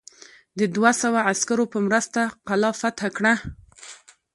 د دوه سوه عسکرو په مرسته قلا فتح کړه.